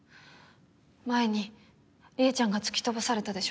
前にりえちゃんが突き飛ばされたでしょ。